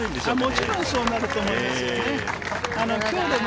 もちろん、そうなると思います。